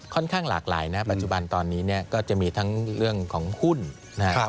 ข้างหลากหลายนะครับปัจจุบันตอนนี้เนี่ยก็จะมีทั้งเรื่องของหุ้นนะครับ